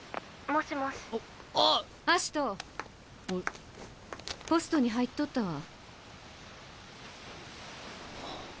葦人ポストに入っとったわ。